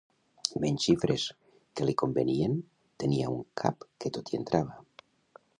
Menys xifres, que li convenien, tenia un cap que tot hi entrava